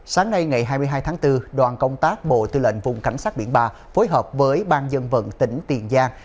sáng nay ngày hai mươi hai tháng bốn đoàn công tác bộ tư lệnh vùng cảnh sát biển ba phối hợp với ban dân vận tỉnh tiền giang